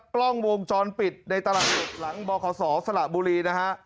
กล้องวงจรปิดในตลาดสดหลังบขสละบุรีนะฮะ